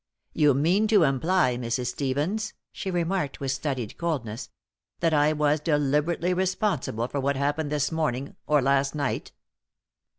"You mean to imply, Mrs. Stevens," she remarked, with studied coldness, "that I was deliberately responsible for what happened this morning, or last night?"